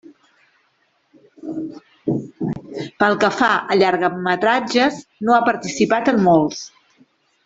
Pel que fa a llargmetratges no ha participat en molts.